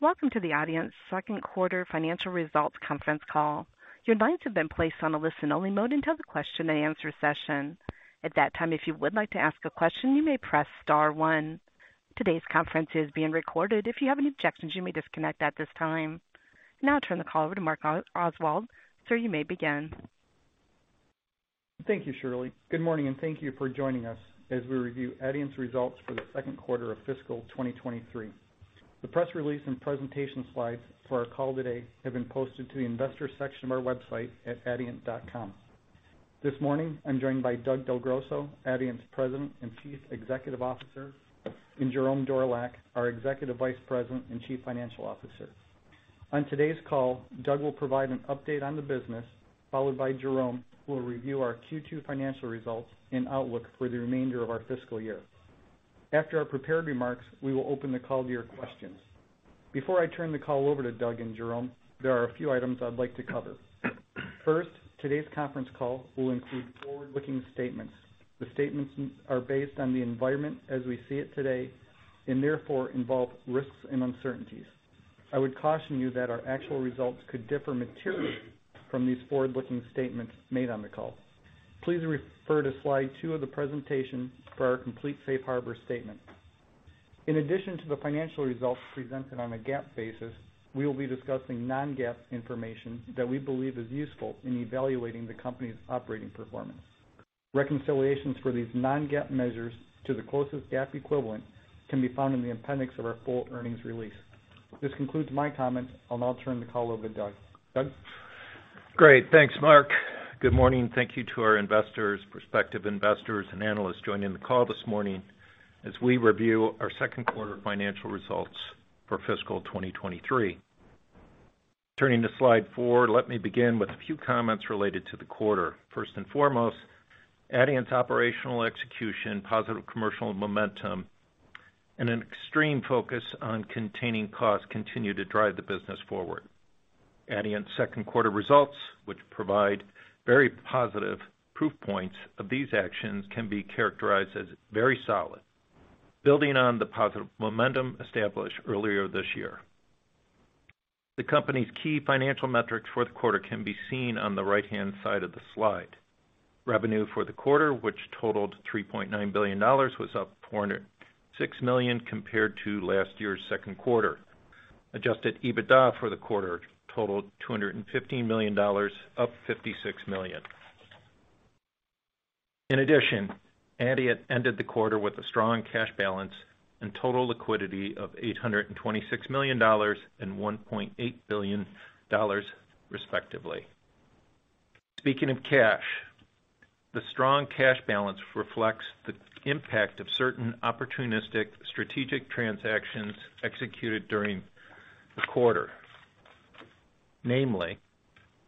Welcome to the Adiento second quarter financial results conference call. Your lines have been placed on a listen-only mode until the question-and-answer session. At that time, if you would like to ask a question, you may press star one. Today's conference is being recorded. If you have any objections, you may disconnect at this time. Now I turn the call over to Mark Oswald. Sir, you may begin. Thank you, Shirley. Good morning, and thank you for joining us as we review Adient's results for the second quarter of fiscal 2023. The press release and presentation slides for our call today have been posted to the investor section of our website at adient.com. This morning, I'm joined by Doug Del Grosso, Adient's President and Chief Executive Officer, and Jerome Dorlack, our Executive Vice President and Chief Financial Officer. On today's call, Doug will provide an update on the business, followed by Jerome, who will review our Q2 financial results and outlook for the remainder of our fiscal year. After our prepared remarks, we will open the call to your questions. Before I turn the call over to Doug and Jerome, there are a few items I'd like to cover. First, today's conference call will include forward-looking statements. The statements are based on the environment as we see it today and therefore involve risks and uncertainties. I would caution you that our actual results could differ materially from these forward-looking statements made on the call. Please refer to slide 2 of the presentation for our complete safe harbor statement. In addition to the financial results presented on a GAAP basis, we will be discussing non-GAAP information that we believe is useful in evaluating the company's operating performance. Reconciliations for these non-GAAP measures to the closest GAAP equivalent can be found in the appendix of our full earnings release. This concludes my comments. I'll now turn the call over to Doug. Doug? Great. Thanks, Mark. Good morning. Thank you to our investors, prospective investors, and analysts joining the call this morning as we review our second quarter financial results for fiscal 2023. Turning to slide 4, let me begin with a few comments related to the quarter. First and foremost, Adient's operational execution, positive commercial momentum, and an extreme focus on containing costs continue to drive the business forward. Adient's second quarter results, which provide very positive proof points of these actions, can be characterized as very solid, building on the positive momentum established earlier this year. The company's key financial metrics for the quarter can be seen on the right-hand side of the slide. Revenue for the quarter, which totaled $3.9 billion, was up $406 million compared to last year's second quarter. Adjusted EBITDA for the quarter totaled $215 million, up $56 million. Adient ended the quarter with a strong cash balance and total liquidity of $826 million and $1.8 billion, respectively. Speaking of cash, the strong cash balance reflects the impact of certain opportunistic strategic transactions executed during the quarter. Namely,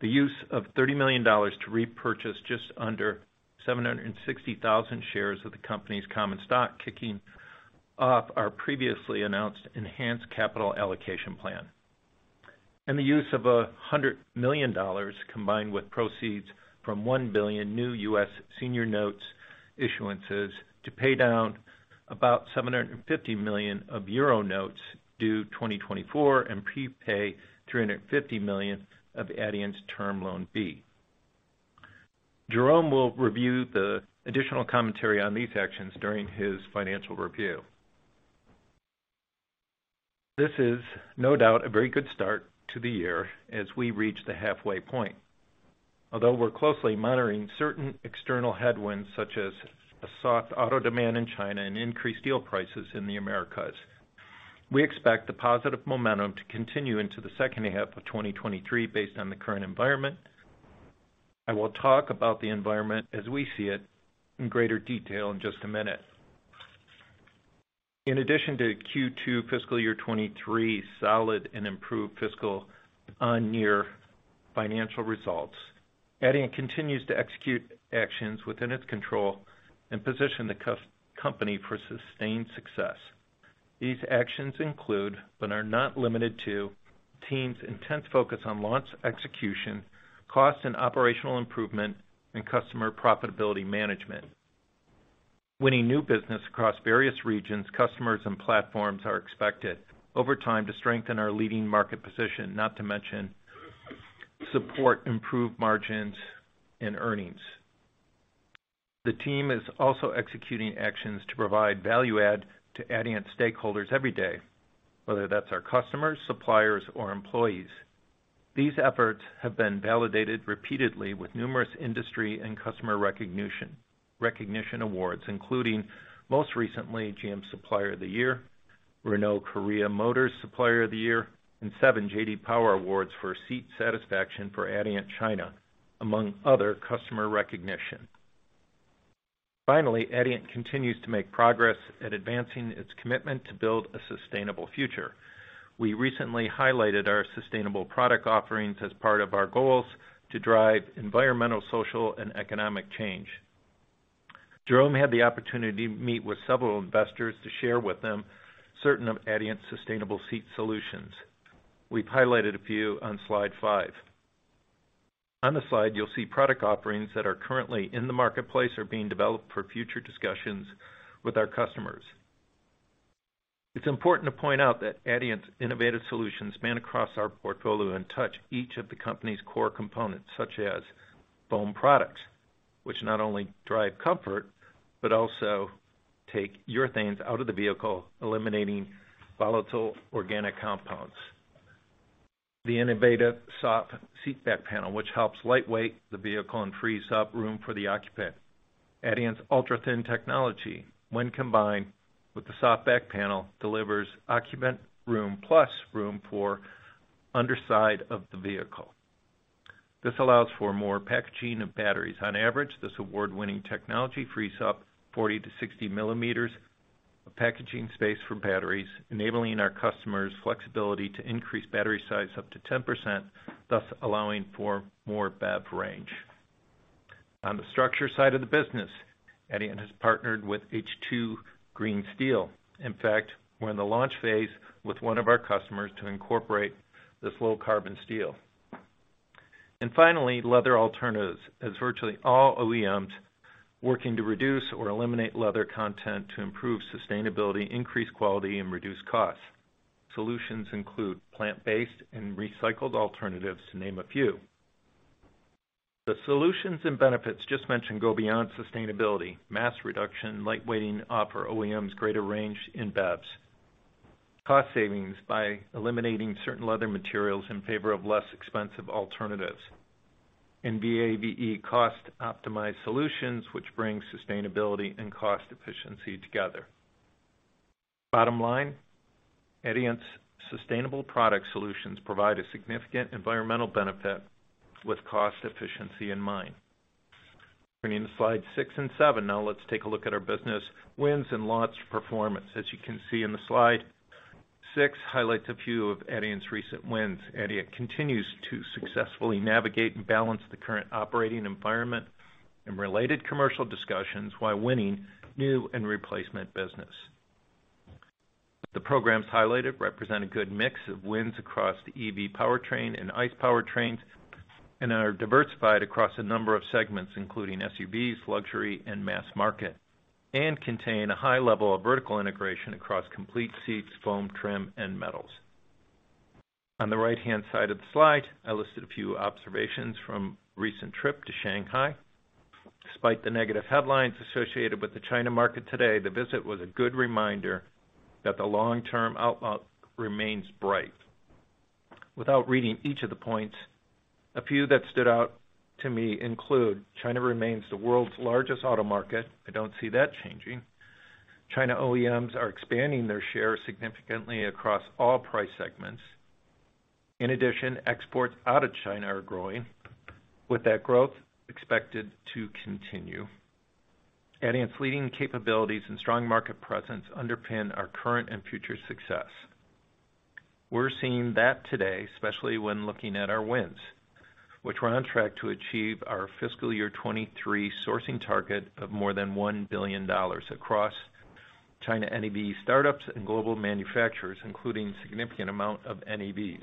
the use of $30 million to repurchase just under 760,000 shares of the company's common stock, kicking off our previously announced enhanced capital allocation plan, and the use of $100 million, combined with proceeds from $1 billion new U.S. senior notes issuances to pay down about 750 million of euro notes due 2024 and prepay $350 million of Adient's Term Loan B. Jerome will review the additional commentary on these actions during his financial review. This is no doubt a very good start to the year as we reach the halfway point. Although we're closely monitoring certain external headwinds, such as a soft auto demand in China and increased steel prices in the Americas, we expect the positive momentum to continue into the second half of 2023 based on the current environment. I will talk about the environment as we see it in greater detail in just a minute. In addition to Q2 fiscal year 2023 solid and improved fiscal on-year financial results, Adient continues to execute actions within its control and position the company for sustained success. These actions include, but are not limited to, teams' intense focus on launch execution, cost and operational improvement, and customer profitability management. Winning new business across various regions, customers, and platforms are expected over time to strengthen our leading market position, not to mention support improved margins and earnings. The team is also executing actions to provide value add to Adient stakeholders every day, whether that's our customers, suppliers, or employees. These efforts have been validated repeatedly with numerous industry and customer recognitions, recognition awards, including most recently GM Supplier of the Year, Renault Korea Motors Supplier of the Year, and seven J.D. Power Awards for Seat Satisfaction for Adient China, among other customer recognition. Adient continues to make progress at advancing its commitment to build a sustainable future. We recently highlighted our sustainable product offerings as part of our goals to drive environmental, social, and economic change. Jerome had the opportunity to meet with several investors to share with them certain of Adient's sustainable seat solutions. We've highlighted a few on slide 5. On the slide, you'll see product offerings that are currently in the marketplace or being developed for future discussions with our customers. It's important to point out that Adient's innovative solutions span across our portfolio and touch each of the company's core components, such as foam products, which not only drive comfort, but also take urethanes out of the vehicle, eliminating volatile organic compounds. The innovative soft seat back panel, which helps lightweight the vehicle and frees up room for the occupant. Adient's ultra-thin technology, when combined with the soft back panel, delivers occupant room, plus room for underside of the vehicle. This allows for more packaging of batteries. On average, this award-winning technology frees up 40 millimeters-60 millimeters of packaging space for batteries, enabling our customers flexibility to increase battery size up to 10%, thus allowing for more BEV range. On the structure side of the business, Adient has partnered with H2 Green Steel. In fact, we're in the launch phase with one of our customers to incorporate this low-carbon steel. Finally, leather alternatives, as virtually all OEMs working to reduce or eliminate leather content to improve sustainability, increase quality, and reduce costs. Solutions include plant-based and recycled alternatives, to name a few. The solutions and benefits just mentioned go beyond sustainability. Mass reduction, lightweighting offer OEMs greater range in BEVs. Cost savings by eliminating certain leather materials in favor of less expensive alternatives. VAVE cost-optimized solutions, which bring sustainability and cost efficiency together. Bottom line, Adient's sustainable product solutions provide a significant environmental benefit with cost efficiency in mind. Turning to slides 6 and 7, now let's take a look at our business wins and launch performance. As you can see in the slide, 6 highlights a few of Adient's recent wins. Adient continues to successfully navigate and balance the current operating environment and related commercial discussions while winning new and replacement business. The programs highlighted represent a good mix of wins across the EV powertrain and ICE powertrains and are diversified across a number of segments, including SUVs, luxury, and mass market, and contain a high level of vertical integration across complete seats, foam, trim, and metals. On the right-hand side of the slide, I listed a few observations from a recent trip to Shanghai. Despite the negative headlines associated with the China market today, the visit was a good reminder that the long-term outlook remains bright. Without reading each of the points, a few that stood out to me include China remains the world's largest auto market. I don't see that changing. China OEMs are expanding their share significantly across all price segments. In addition, exports out of China are growing, with that growth expected to continue. Adient's leading capabilities and strong market presence underpin our current and future success. We're seeing that today, especially when looking at our wins, which we're on track to achieve our fiscal year '23 sourcing target of more than $1 billion across China NEV startups and global manufacturers, including a significant amount of NEVs.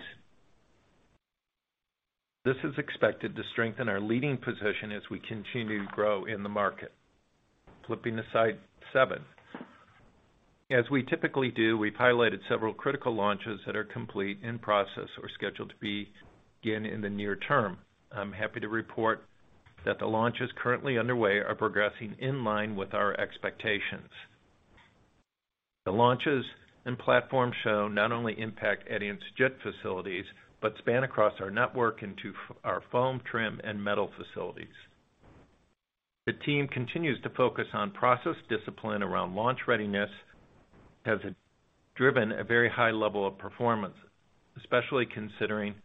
This is expected to strengthen our leading position as we continue to grow in the market. Flipping to slide 7. As we typically do, we've highlighted several critical launches that are complete, in process, or scheduled to begin in the near term. I'm happy to report that the launches currently underway are progressing in line with our expectations. The launches and platforms shown not only impact Adient's JIT facilities, but span across our network into our foam, trim, and metal facilities. The team continues to focus on process discipline around launch readiness, has driven a very high level of performance, especially considering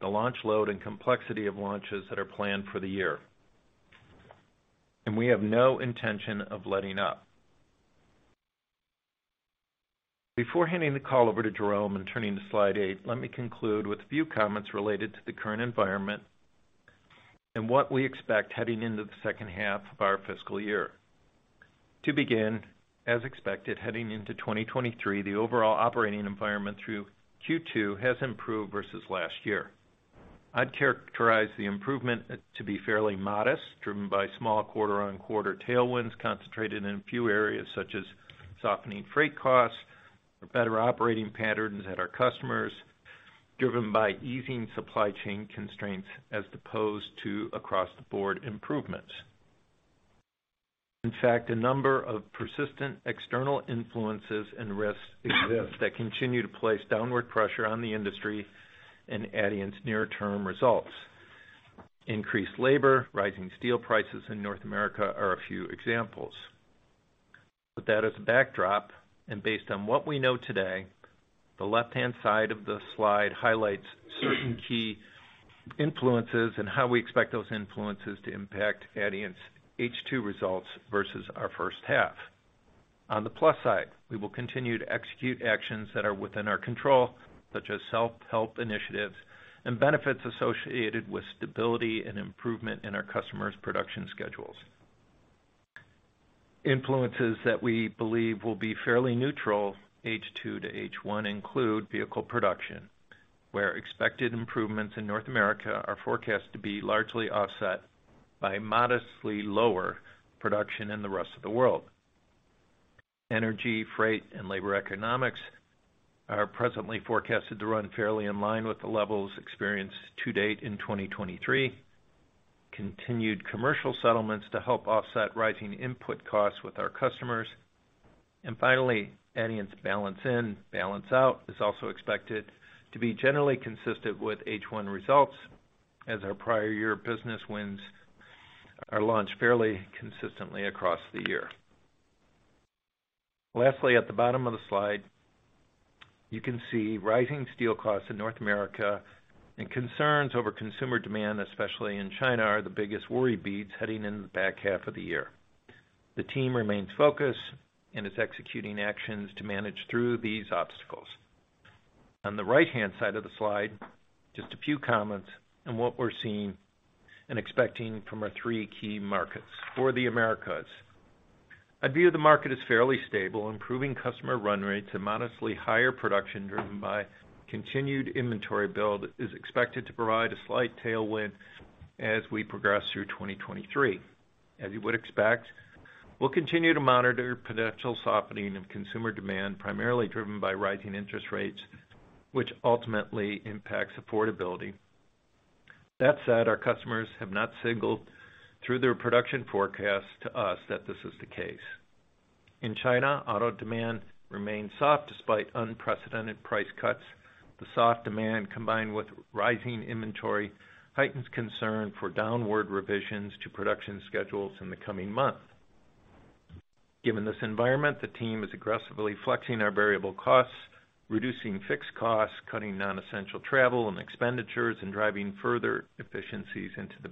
the launch load and complexity of launches that are planned for the year. We have no intention of letting up. Before handing the call over to Jerome and turning to slide 8, let me conclude with a few comments related to the current environment and what we expect heading into the second half of our fiscal year. To begin, as expected, heading into 2023, the overall operating environment through Q2 has improved versus last year. I'd characterize the improvement to be fairly modest, driven by small quarter-on-quarter tailwinds concentrated in a few areas, such as softening freight costs or better operating patterns at our customers, driven by easing supply chain constraints, as opposed to across-the-board improvements. In fact, a number of persistent external influences and risks exist that continue to place downward pressure on the industry and Adient's near-term results. Increased labor, rising steel prices in North America are a few examples. With that as a backdrop, and based on what we know today, the left-hand side of the slide highlights certain key influences and how we expect those influences to impact Adient's H2 results versus our first half. On the plus side, we will continue to execute actions that are within our control, such as self-help initiatives and benefits associated with stability and improvement in our customers' production schedules. Influences that we believe will be fairly neutral H2 to H1 include vehicle production, where expected improvements in North America are forecast to be largely offset by modestly lower production in the rest of the world. Energy, freight, and labor economics are presently forecasted to run fairly in line with the levels experienced to date in 2023. Continued commercial settlements to help offset rising input costs with our customers. Finally, Adient's balance in, balance out is also expected to be generally consistent with H1 results as our prior year business wins are launched fairly consistently across the year. Lastly, at the bottom of the slide, you can see rising steel costs in North America and concerns over consumer demand, especially in China, are the biggest worry beads heading in the back half of the year. The team remains focused and is executing actions to manage through these obstacles. On the right-hand side of the slide, just a few comments on what we're seeing and expecting from our three key markets. For the Americas, I view the market as fairly stable, improving customer run rates and modestly higher production driven by continued inventory build is expected to provide a slight tailwind as we progress through 2023. As you would expect, we'll continue to monitor potential softening of consumer demand, primarily driven by rising interest rates, which ultimately impacts affordability. That said, our customers have not signaled through their production forecast to us that this is the case. In China, auto demand remains soft despite unprecedented price cuts. The soft demand, combined with rising inventory, heightens concern for downward revisions to production schedules in the coming months. Given this environment, the team is aggressively flexing our variable costs, reducing fixed costs, cutting non-essential travel and expenditures, and driving further efficiencies into the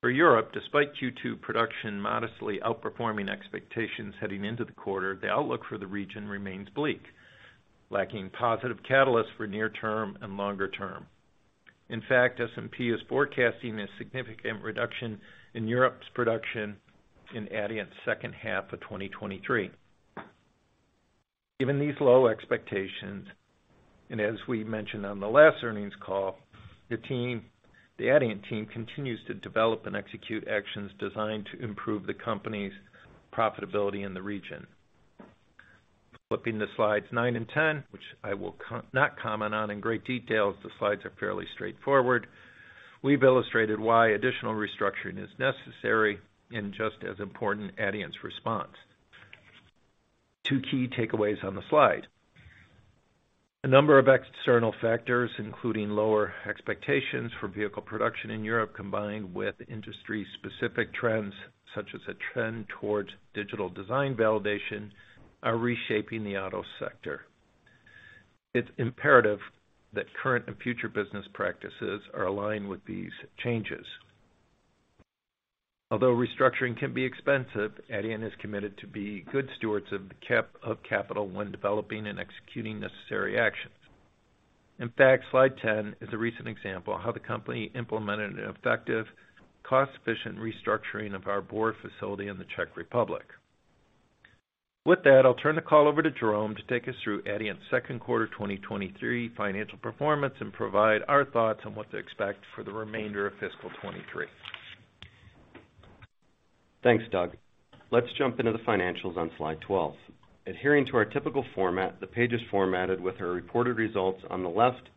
business. For Europe, despite Q2 production modestly outperforming expectations heading into the quarter, the outlook for the region remains bleak, lacking positive catalysts for near term and longer term. In fact, S&P is forecasting a significant reduction in Europe's production in Adient's second half of 2023. Given these low expectations, and as we mentioned on the last earnings call, the Adient team continues to develop and execute actions designed to improve the company's profitability in the region. Flipping to slides 9 and 10, which I will not comment on in great detail, as the slides are fairly straightforward, we've illustrated why additional restructuring is necessary, and just as important, Adient's response. Two key takeaways on the slide. A number of external factors, including lower expectations for vehicle production in Europe, combined with industry-specific trends, such as a trend towards digital design validation, are reshaping the auto sector. It's imperative that current and future business practices are aligned with these changes. Although restructuring can be expensive, Adient is committed to be good stewards of the capital when developing and executing necessary actions. In fact, slide 10 is a recent example of how the company implemented an effective, cost-efficient restructuring of our Bor facility in the Czech Republic. With that, I'll turn the call over to Jerome to take us through Adient's second quarter 2023 financial performance and provide our thoughts on what to expect for the remainder of fiscal 2023. Thanks, Doug. Let's jump into the financials on slide 12. Adhering to our typical format, the page is formatted with our reported results on the left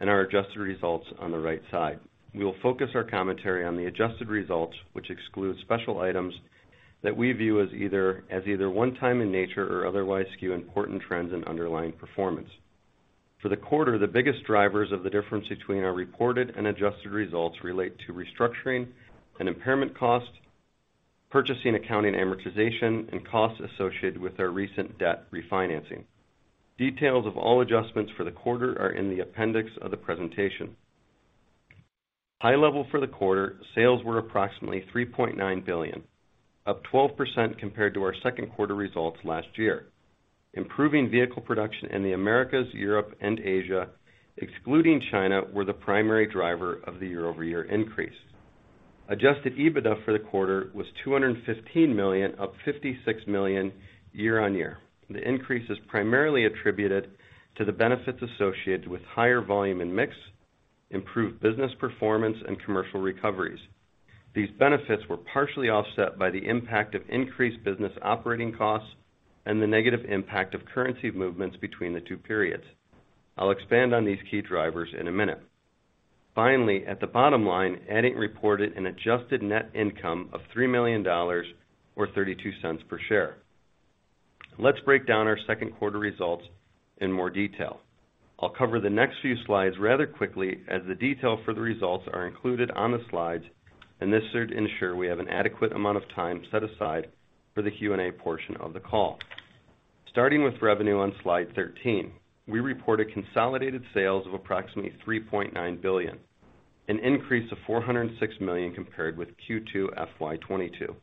and our adjusted results on the right side. We will focus our commentary on the adjusted results, which excludes special items that we view as either one time in nature or otherwise skew important trends and underlying performance. For the quarter, the biggest drivers of the difference between our reported and adjusted results relate to restructuring and impairment costs, purchasing accounting amortization, and costs associated with our recent debt refinancing. Details of all adjustments for the quarter are in the appendix of the presentation. High level for the quarter, sales were approximately $3.9 billion, up 12% compared to our second quarter results last year. Improving vehicle production in the Americas, Europe, and Asia, excluding China, were the primary driver of the year-over-year increase. Adjusted EBITDA for the quarter was $215 million, up $56 million year-on-year. The increase is primarily attributed to the benefits associated with higher volume and mix, improved business performance, and commercial recoveries. These benefits were partially offset by the impact of increased business operating costs and the negative impact of currency movements between the two periods. I'll expand on these key drivers in a minute. Finally, at the bottom line, Adient reported an adjusted net income of $3 million or $0.32 per share. Let's break down our second quarter results in more detail. I'll cover the next few slides rather quickly, as the detail for the results are included on the slides. This should ensure we have an adequate amount of time set aside for the Q&A portion of the call. Starting with revenue on slide 13. We reported consolidated sales of approximately $3.9 billion, an increase of $406 million compared with Q2 FY 2022.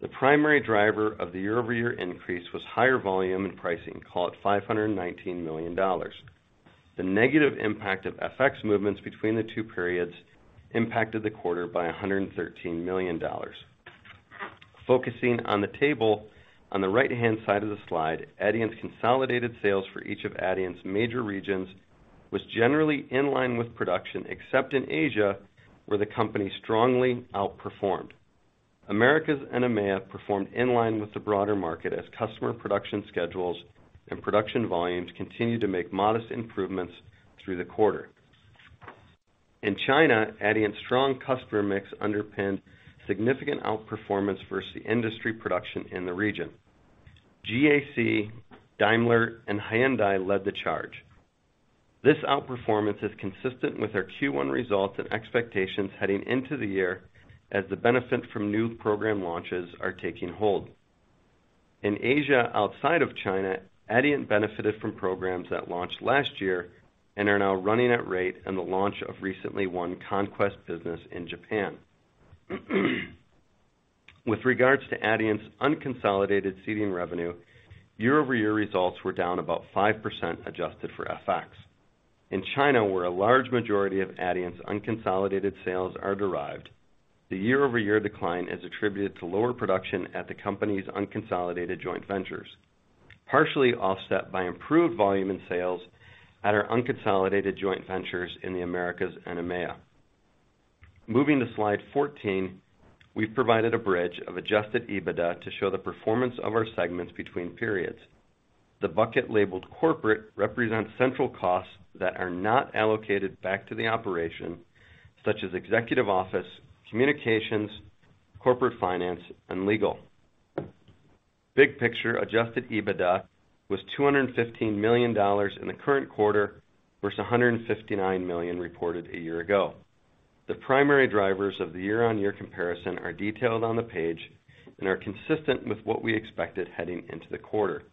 The primary driver of the year-over-year increase was higher volume and pricing, call it $519 million. The negative impact of FX movements between the two periods impacted the quarter by $113 million. Focusing on the table on the right-hand side of the slide, Adient's consolidated sales for each of Adient's major regions was generally in line with production, except in Asia, where the company strongly outperformed. Americas and EMEA performed in line with the broader market as customer production schedules and production volumes continued to make modest improvements through the quarter. In China, Adient's strong customer mix underpinned significant outperformance versus the industry production in the region. GAC, Daimler, and Hyundai led the charge. This outperformance is consistent with our Q1 results and expectations heading into the year as the benefit from new program launches are taking hold. In Asia, outside of China, Adient benefited from programs that launched last year and are now running at rate and the launch of recently won conquest business in Japan. With regards to Adient's unconsolidated seating revenue, year-over-year results were down about 5% adjusted for FX. In China, where a large majority of Adient's unconsolidated sales are derived, the year-over-year decline is attributed to lower production at the company's unconsolidated joint ventures, partially offset by improved volume in sales at our unconsolidated joint ventures in the Americas and EMEA. Moving to slide 14, we've provided a bridge of adjusted EBITDA to show the performance of our segments between periods. The bucket labeled corporate represents central costs that are not allocated back to the operation, such as executive office, communications, corporate finance, and legal. Big picture adjusted EBITDA was $215 million in the current quarter versus $159 million reported a year ago. The primary drivers of the year-on-year comparison are detailed on the page and are consistent with what we expected heading into the quarter.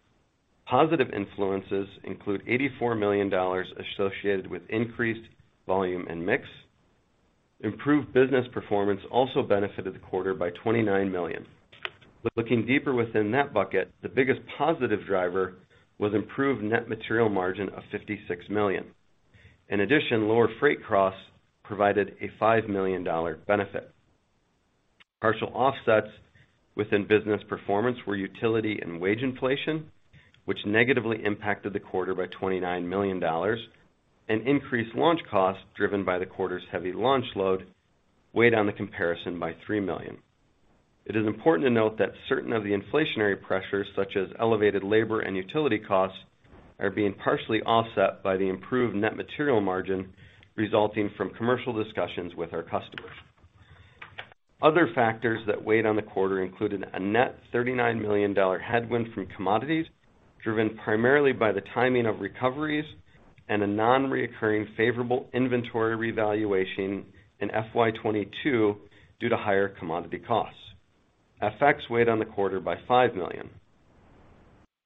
Positive influences include $84 million associated with increased volume and mix. Improved business performance also benefited the quarter by $29 million. Looking deeper within that bucket, the biggest positive driver was improved net material margin of $56 million. In addition, lower freight costs provided a $5 million benefit. Partial offsets within business performance were utility and wage inflation, which negatively impacted the quarter by $29 million and increased launch costs driven by the quarter's heavy launch load weighed on the comparison by $3 million. It is important to note that certain of the inflationary pressures, such as elevated labor and utility costs, are being partially offset by the improved net material margin resulting from commercial discussions with our customers. Other factors that weighed on the quarter included a net $39 million headwind from commodities, driven primarily by the timing of recoveries and a non-recurring favorable inventory revaluation in FY 2022 due to higher commodity costs. FX weighed on the quarter by $5 million.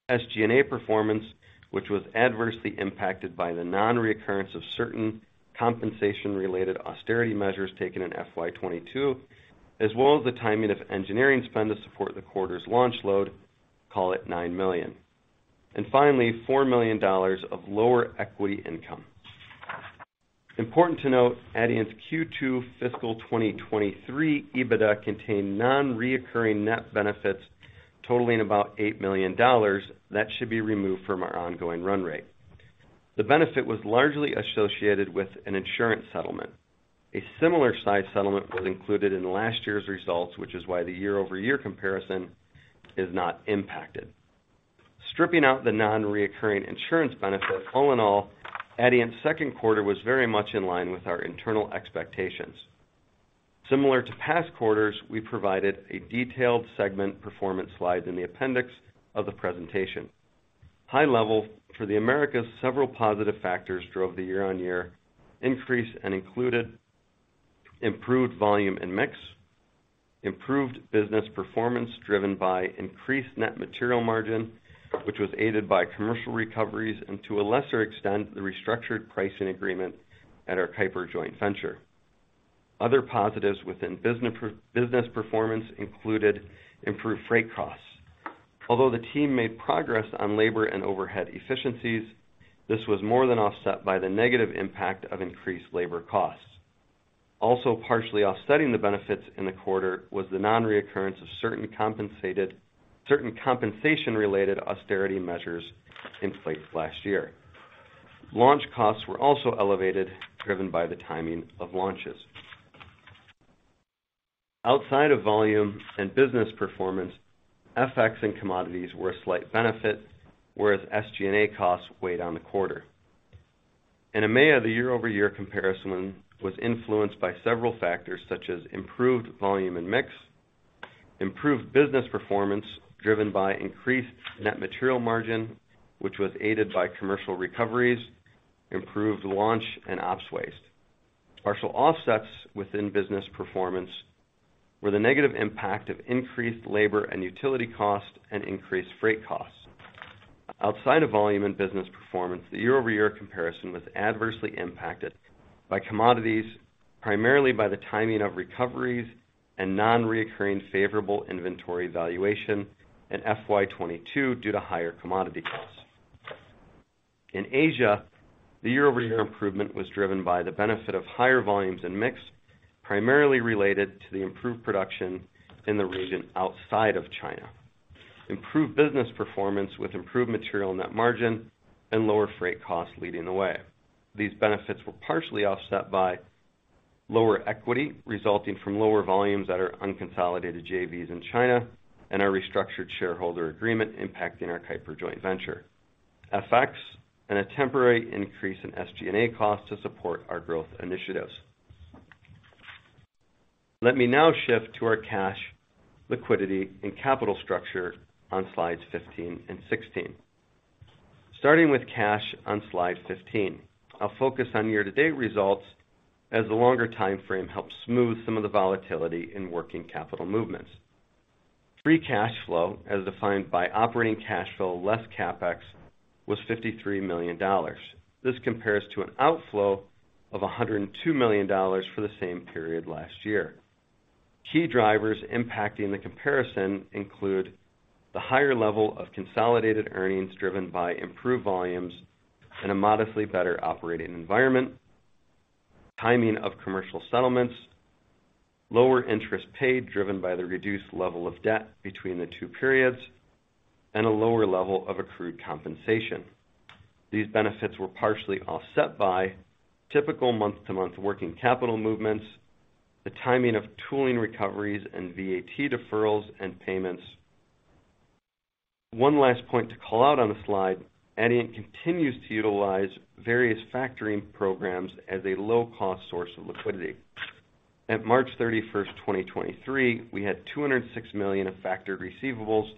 SG&A performance, which was adversely impacted by the non-reoccurrence of certain compensation-related austerity measures taken in FY 2022, as well as the timing of engineering spend to support the quarter's launch load, call it $9 million. Finally, $4 million of lower equity income. Important to note, Adient's Q2 fiscal 2023 EBITDA contained non-reoccurring net benefits totaling about $8 million that should be removed from our ongoing run rate. The benefit was largely associated with an insurance settlement. A similar size settlement was included in last year's results, which is why the year-over-year comparison is not impacted. Stripping out the non-reoccurring insurance benefit, all in all, Adient's second quarter was very much in line with our internal expectations. Similar to past quarters, we provided a detailed segment performance slide in the appendix of the presentation. High level for the Americas, several positive factors drove the year-on-year increase and included improved volume and mix, improved business performance driven by increased net material margin, which was aided by commercial recoveries, and to a lesser extent, the restructured pricing agreement at our KEIPER joint venture. Other positives within business performance included improved freight costs. The team made progress on labor and overhead efficiencies, this was more than offset by the negative impact of increased labor costs. Also partially offsetting the benefits in the quarter was the non-reoccurrence of certain compensation-related austerity measures in place last year. Launch costs were also elevated, driven by the timing of launches. Outside of volume and business performance, FX and commodities were a slight benefit, whereas SG&A costs weighed on the quarter. In EMEA, the year-over-year comparison was influenced by several factors, such as improved volume and mix, improved business performance driven by increased net material margin, which was aided by commercial recoveries, improved launch and ops waste. Partial offsets within business performance were the negative impact of increased labor and utility costs and increased freight costs. Outside of volume and business performance, the year-over-year comparison was adversely impacted by commodities. Primarily by the timing of recoveries and non-recurring favorable inventory valuation in FY 2022 due to higher commodity costs. In Asia, the year-over-year improvement was driven by the benefit of higher volumes and mix, primarily related to the improved production in the region outside of China. Improved business performance with improved material net margin and lower freight costs leading the way. These benefits were partially offset by lower equity resulting from lower volumes that are unconsolidated JVs in China and our restructured shareholder agreement impacting our KEIPER joint venture, FX, and a temporary increase in SG&A costs to support our growth initiatives. Let me now shift to our cash liquidity and capital structure on slides 15 and 16. Starting with cash on slide 15, I'll focus on year-to-date results as the longer time frame helps smooth some of the volatility in working capital movements. Free cash flow, as defined by operating cash flow less CapEx, was $53 million. This compares to an outflow of $102 million for the same period last year. Key drivers impacting the comparison include the higher level of consolidated earnings driven by improved volumes and a modestly better operating environment, timing of commercial settlements, lower interest paid driven by the reduced level of debt between the two periods, and a lower level of accrued compensation. These benefits were partially offset by typical month-to-month working capital movements, the timing of tooling recoveries, and VAT deferrals and payments. One last point to call out on the slide, Adient continues to utilize various factoring programs as a low-cost source of liquidity. At March 31st, 2023, we had $206 million of factored receivables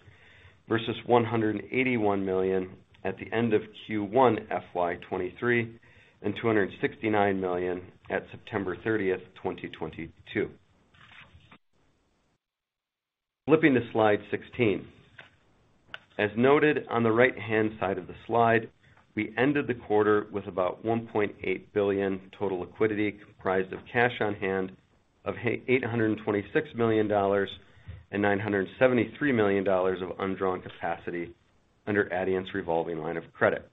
versus $181 million at the end of Q1 FY 2023, and $269 million at September 30th, 2022. Flipping to slide 16. As noted on the right-hand side of the slide, we ended the quarter with about $1.8 billion total liquidity, comprised of cash on hand of $826 million and $973 million of undrawn capacity under Adient's revolving line of credit.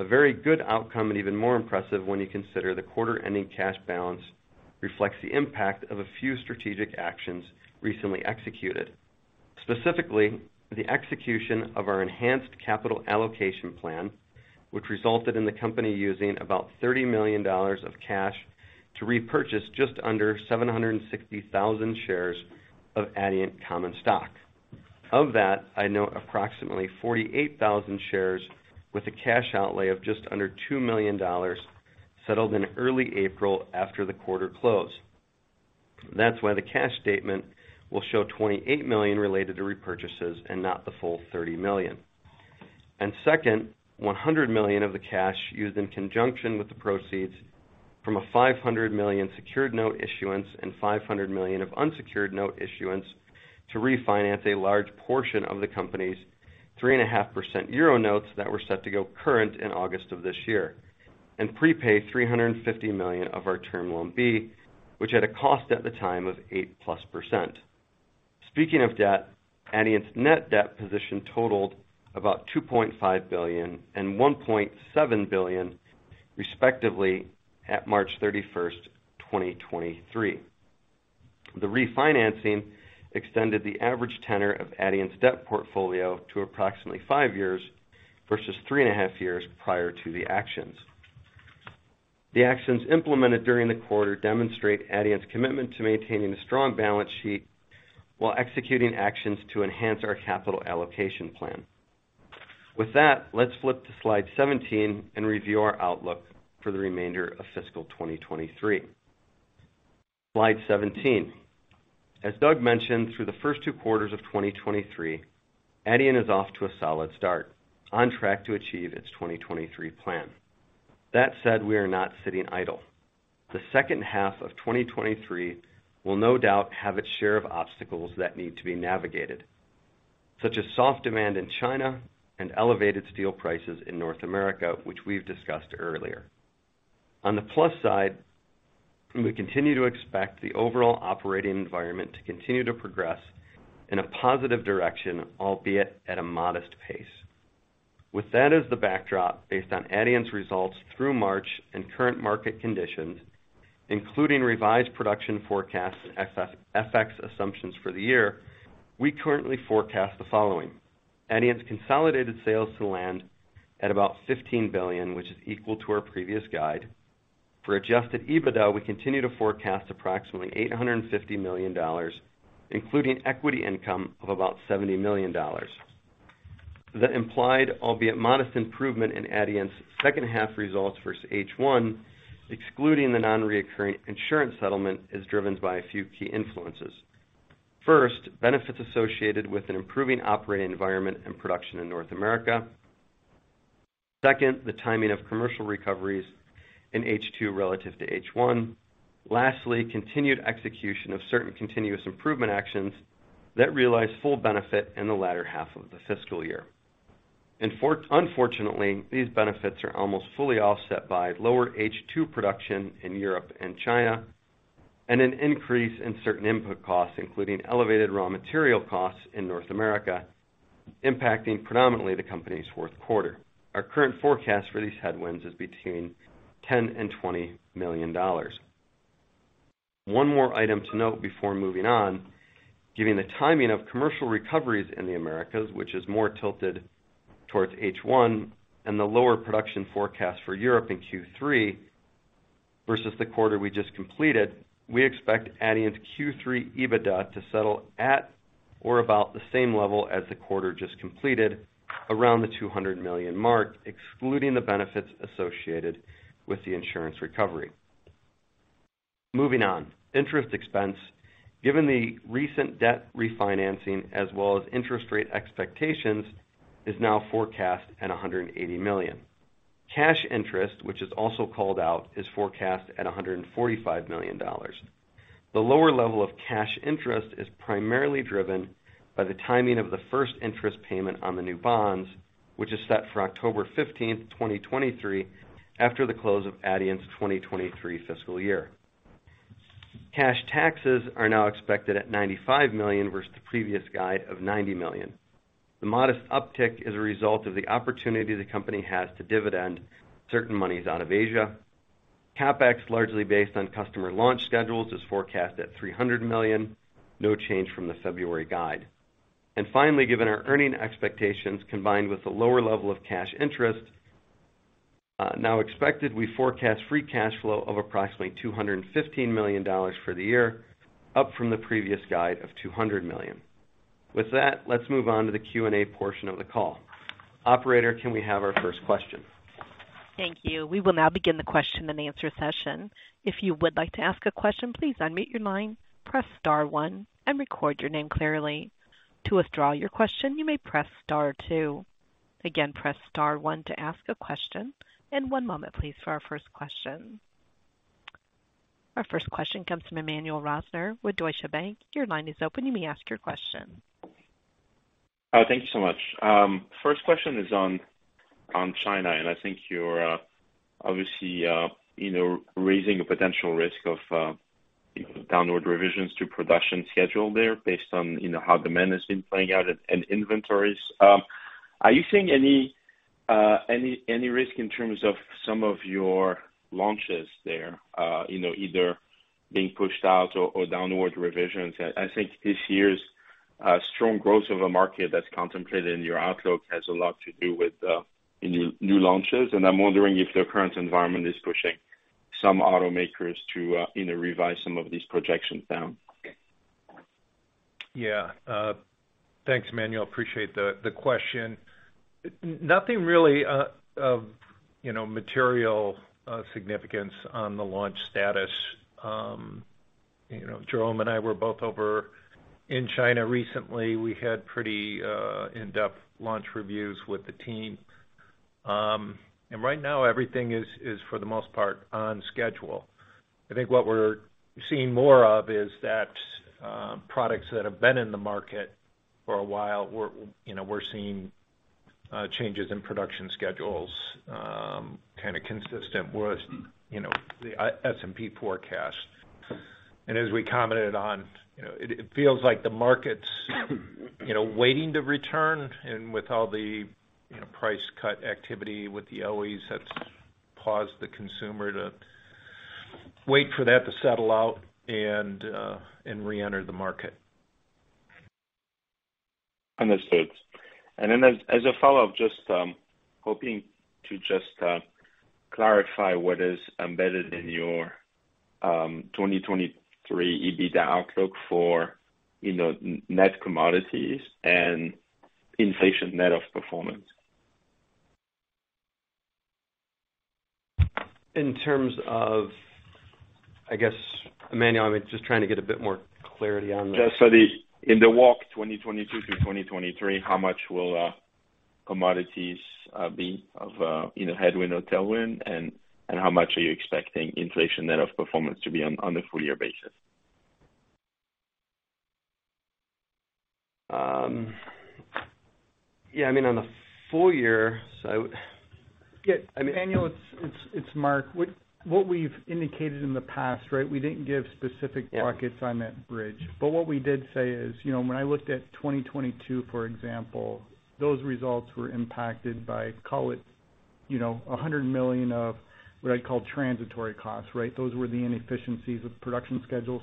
A very good outcome and even more impressive when you consider the quarter-ending cash balance reflects the impact of a few strategic actions recently executed. Specifically, the execution of our enhanced capital allocation plan, which resulted in the company using about $30 million of cash to repurchase just under 760,000 shares of Adient common stock. Of that, I know approximately 48,000 shares with a cash outlay of just under $2 million settled in early April after the quarter closed. That's why the cash statement will show $28 million related to repurchases and not the full $30 million. Second, $100 million of the cash used in conjunction with the proceeds from a $500 million secured note issuance and $500 million of unsecured note issuance to refinance a large portion of the company's 3.5% EUR notes that were set to go current in August of this year, and prepay $350 million of our Term Loan B, which had a cost at the time of 8%+ percent. Speaking of debt, Adient's net debt position totaled about $2.5 billion and $1.7 billion, respectively, at March 31st, 2023. The refinancing extended the average tenor of Adient's debt portfolio to approximately five years versus three and a half years prior to the actions. The actions implemented during the quarter demonstrate Adient's commitment to maintaining a strong balance sheet while executing actions to enhance our capital allocation plan. With that, let's flip to slide 17 and review our outlook for the remainder of fiscal 2023. Slide 17. As Doug mentioned, through the first two quarters of 2023, Adient is off to a solid start, on track to achieve its 2023 plan. That said, we are not sitting idle. The second half of 2023 will no doubt have its share of obstacles that need to be navigated, such as soft demand in China and elevated steel prices in North America, which we've discussed earlier. On the plus side, we continue to expect the overall operating environment to continue to progress in a positive direction, albeit at a modest pace. With that as the backdrop, based on Adient's results through March and current market conditions, including revised production forecasts and ex-FX assumptions for the year, we currently forecast the following. Adient's consolidated sales to land at about $15 billion, which is equal to our previous guide. For adjusted EBITDA, we continue to forecast approximately $850 million, including equity income of about $70 million. The implied, albeit modest, improvement in Adient's second half results versus H1, excluding the non-reoccurring insurance settlement, is driven by a few key influences. First, benefits associated with an improving operating environment and production in North America. Second, the timing of commercial recoveries in H2 relative to H1. Lastly, continued execution of certain continuous improvement actions that realize full benefit in the latter half of the fiscal year. Unfortunately, these benefits are almost fully offset by lower H2 production in Europe and China, and an increase in certain input costs, including elevated raw material costs in North America, impacting predominantly the company's fourth quarter. Our current forecast for these headwinds is between $10 million and $20 million. One more item to note before moving on. Given the timing of commercial recoveries in the Americas, which is more tilted towards H1, and the lower production forecast for Europe in Q3 versus the quarter we just completed, we expect Adient's Q3 EBITDA to settle at or about the same level as the quarter just completed, around the $200 million mark, excluding the benefits associated with the insurance recovery. Moving on. Interest expense. Given the recent debt refinancing as well as interest rate expectations, is now forecast at $180 million. Cash interest, which is also called out, is forecast at $145 million. The lower level of cash interest is primarily driven by the timing of the first interest payment on the new bonds, which is set for October 15, 2023, after the close of Adient's 2023 fiscal year. Cash taxes are now expected at $95 million versus the previous guide of $90 million. The modest uptick is a result of the opportunity the company has to dividend certain monies out of Asia. CapEx, largely based on customer launch schedules, is forecast at $300 million. No change from the February guide. Finally, given our earnings expectations combined with the lower level of cash interest, now expected, we forecast free cash flow of approximately $215 million for the year, up from the previous guide of $200 million. Let's move on to the Q&A portion of the call. Operator, can we have our first question? Thank you. We will now begin the question and answer session. If you would like to ask a question, please unmute your line, press star one and record your name clearly. To withdraw your question, you may press star two. Again, press star one to ask a question, and one moment please for our first question. Our first question comes from Emmanuel Rosner with Deutsche Bank. Your line is open. You may ask your question. Thank you so much. First question is on China, and I think you're obviously, you know, raising a potential risk of downward revisions to production schedule there based on, how demand has been playing out and inventories. Are you seeing any risk in terms of some of your launches there either being pushed out or downward revisions? I think this year's strong growth of a market that's contemplated in your outlook has a lot to do with, you know, new launches, and I'm wondering if the current environment is pushing some automakers to, you know, revise some of these projections down. Yeah. Thanks, Emmanuel. Appreciate the question. Nothing really, of, you know, material significance on the launch status. You know, Jerome and I were both over in China recently. We had pretty in-depth launch reviews with the team. Right now everything is for the most part on schedule. I think what we're seeing more of is that products that have been in the market for a while, we're, you know, we're seeing changes in production schedules, kind of consistent with, you know, the S&P forecast. As we commented on, you know, it feels like the market's, you know, waiting to return and with all the, you know, price cut activity with the OEs that's caused the consumer to wait for that to settle out and reenter the market. Understood. As a follow-up, just, hoping to just, clarify what is embedded in your 2023 EBITDA outlook for, you know, net commodities and inflation net of performance. In terms of... I guess, Emmanuel, I'm just trying to get a bit more clarity on the- Just in the walk 2022 through 2023, how much will commodities be of, you know, headwind or tailwind and how much are you expecting inflation net of performance to be on a full year basis? Yeah, I mean, on a full year. Yeah. Emmanuel, it's Mark. What we've indicated in the past, right? We didn't give specific buckets on that bridge. What we did say is, you know, when I looked at 2022, for example, those results were impacted by, call it, you know, $100 million of what I'd call transitory costs, right? Those were the inefficiencies of production schedules.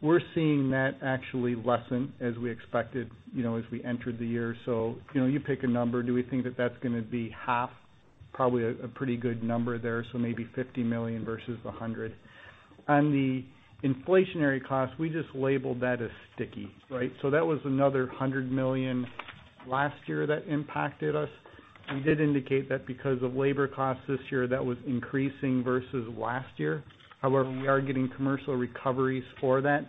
We're seeing that actually lessen as we expected, you know, as we entered the year. You know, you pick a number. Do we think that that's gonna be half? Probably a pretty good number there, maybe $50 million versus $100 million. On the inflationary cost, we just labeled that as sticky, right? That was another $100 million last year that impacted us, and did indicate that because of labor costs this year, that was increasing versus last year. We are getting commercial recoveries for that.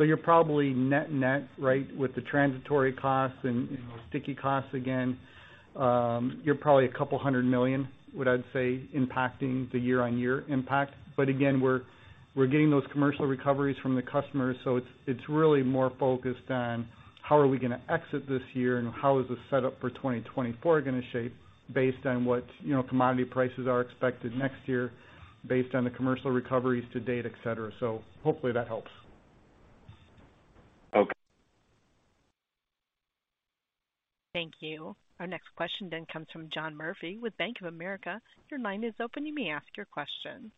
You're probably net-net, right? With the transitory costs and, you know, sticky costs again, you're probably $200 million, what I'd say, impacting the year-on-year impact. Again, we're getting those commercial recoveries from the customers, so it's really more focused on how are we gonna exit this year, and how is the setup for 2024 gonna shape based on what, you know, commodity prices are expected next year, based on the commercial recoveries to date, et cetera. Hopefully that helps. Okay. Thank you. Our next question then comes from John Murphy with Bank of America. Your line is open. You may ask your question.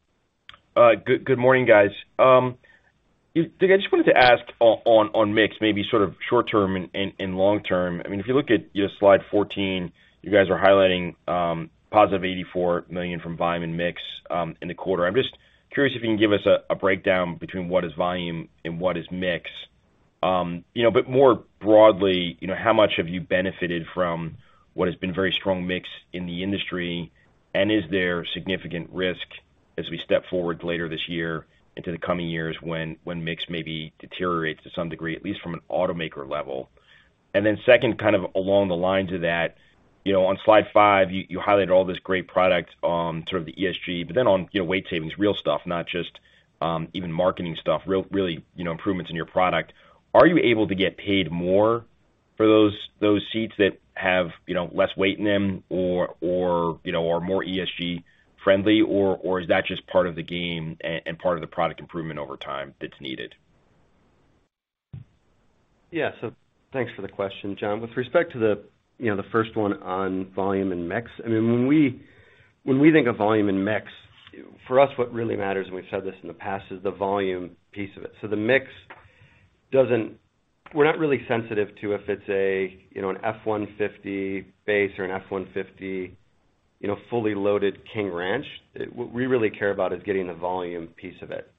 Good morning, guys. Doug, I just wanted to ask on mix, maybe short term and long term. I mean, if you look at your slide 14, you guys are highlighting positive $84 million from volume and mix in the quarter. I'm just curious if you can give us a breakdown between what is volume and what is mix. You know, more broadly, you know, how much have you benefited from what has been very strong mix in the industry? Is there significant risk as we step forward later this year into the coming years when mix maybe deteriorates to some degree, at least from an automaker level? Second, kind of along the lines of that, you know, on slide 5, you highlighted all this great product on sort of the ESG, but then on weight savings, real stuff, not just, even marketing stuff, really, you know, improvements in your product. Are you able to get paid more for those seats that have, you know, less weight in them or, you know, are more ESG friendly, or is that just part of the game and part of the product improvement over time that's needed? Yeah. Thanks for the question, John. With respect to the, you know, the first one on volume and mix, I mean, when we, when we think of volume and mix, for us, what really matters, and we've said this in the past, is the volume piece of it. The mix doesn't. We're not really sensitive to if it's a, you know, an F-150 base or an F-150, you know, fully loaded King Ranch. What we really care about is getting the volume piece of it.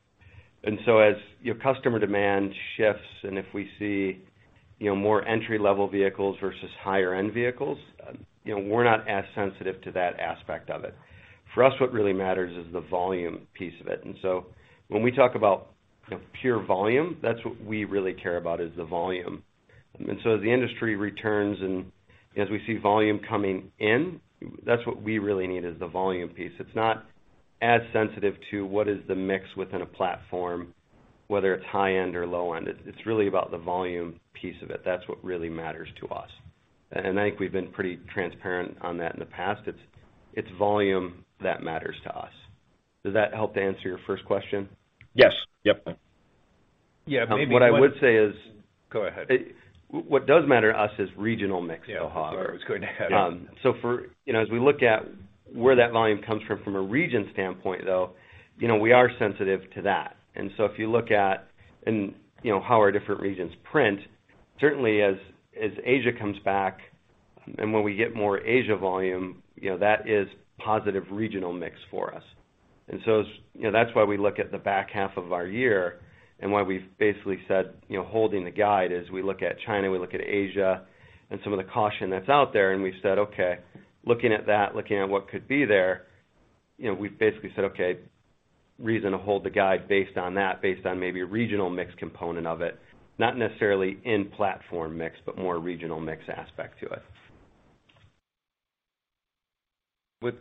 As your customer demand shifts, and if we see, you know, more entry-level vehicles versus higher-end vehicles, you know, we're not as sensitive to that aspect of it. For us, what really matters is the volume piece of it. When we talk about, you know, pure volume, that's what we really care about, is the volume. As the industry returns and as we see volume coming in, that's what we really need, is the volume piece. It's not as sensitive to what is the mix within a platform, whether it's high end or low end. It's really about the volume piece of it. That's what really matters to us. I think we've been pretty transparent on that in the past. It's volume that matters to us. Does that help to answer your first question? Yes. Yep. Yeah, maybe what- What I would say is. Go ahead. What does matter to us is regional mix though, Doug. Yeah. That's what I was going to add in. For, you know, as we look at where that volume comes from from a region standpoint, though, you know, we are sensitive to that. If you look at and, you know, how our different regions print, certainly as Asia comes back and when we get more Asia volume, that is positive regional mix for us. You know, that's why we look at the back half of our year and why we've basically said, you know, holding the guide is we look at China, we look at Asia and some of the caution that's out there, and we said, okay, looking at that, looking at what could be there, you know, we've basically said, okay, reason to hold the guide based on that, based on maybe a regional mix component of it, not necessarily in platform mix, but more regional mix aspect to it.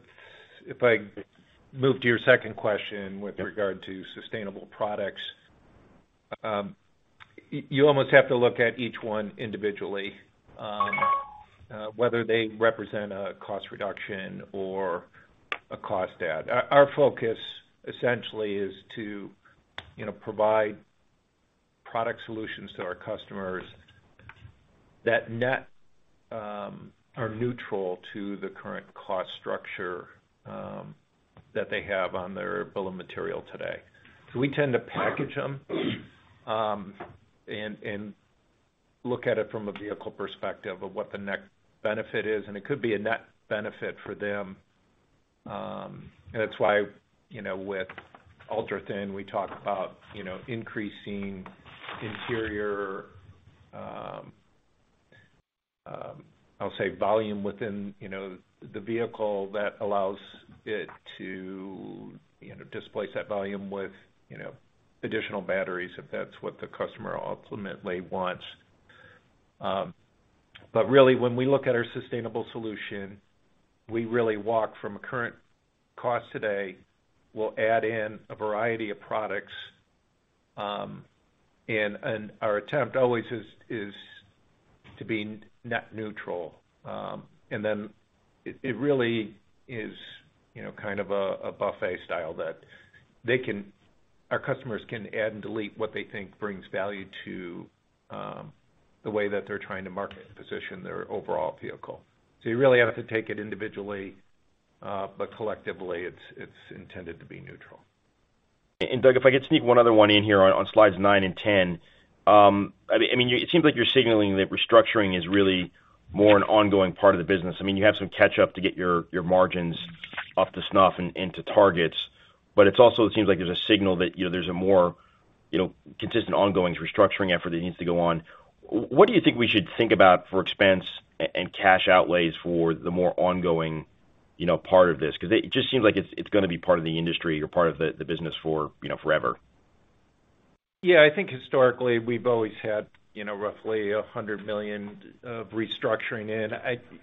If I move to your second question with regard to sustainable products, you almost have to look at each one individually, whether they represent a cost reduction or a cost add. Our focus essentially is to, you know, provide product solutions to our customers that net, are neutral to the current cost structure, that they have on their bill of material today. We tend to package them, and look at it from a vehicle perspective of what the net benefit is, and it could be a net benefit for them. That's why, you know, with ultra thin, we talk about, you know, increasing interior, I'll say volume within, you know, the vehicle that allows it to, you know, displace that volume with, you know, additional batteries if that's what the customer ultimately wants. Really, when we look at our sustainable solution, we really walk from a current cost today, we'll add in a variety of products, and our attempt always is to be net neutral. Then it really is, you know, kind of a buffet style that our customers can add and delete what they think brings value to the way that they're trying to market position their overall vehicle. You really have to take it individually, but collectively, it's intended to be neutral. Doug, if I could sneak one other one in here on slides 9 and 10. I mean, it seems like you're signaling that restructuring is really more an ongoing part of the business. I mean, you have some catch up to get your margins up to snuff and into targets. It's also, it seems like there's a signal that, you know, there's a more, you know, consistent ongoing restructuring effort that needs to go on. What do you think we should think about for expense and cash outlays for the more ongoing, part of this? Because it just seems like it's gonna be part of the industry or part of the business for, you know, forever. Yeah. I think historically, we've always had, you know, roughly $100 million of restructuring in.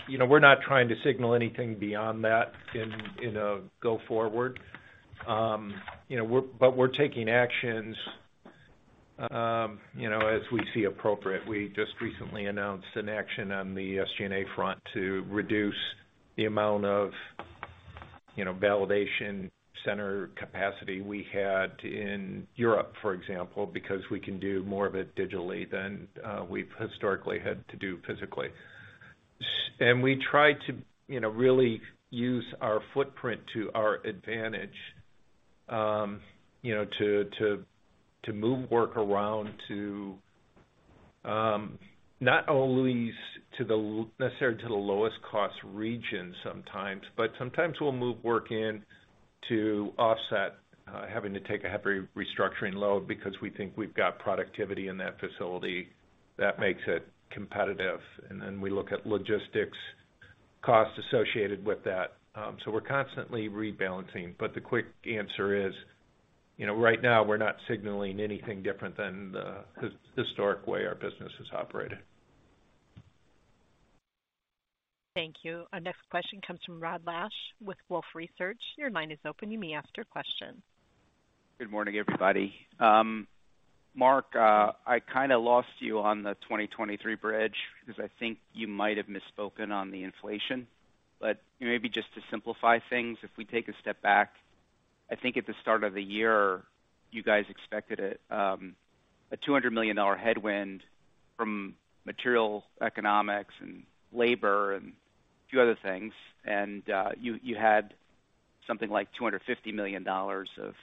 You know, we're not trying to signal anything beyond that in a go forward. We're taking actions, you know, as we see appropriate. We just recently announced an action on the SG&A front to reduce the amount of, you know, validation center capacity we had in Europe, for example, because we can do more of it digitally than we've historically had to do physically. We try to, you know, really use our footprint to our advantage, you know, to move work around to, not always necessarily to the lowest cost region sometimes, but sometimes we'll move work in to offset, having to take a heavy restructuring load because we think we've got productivity in that facility that makes it competitive. Then we look at logistics costs associated with that. We're constantly rebalancing. The quick answer is, you know, right now we're not signaling anything different than the historic way our business has operated. Thank you. Our next question comes from Rod Lache with Wolfe Research. Your line is open. You may ask your question. Good morning, everybody. Mark, I kinda lost you on the 2023 bridge because I think you might have misspoken on the inflation. Maybe just to simplify things, if we take a step back, I think at the start of the year, you guys expected a $200 million headwind from material economics and labor and a few other things. You had something like $250 million of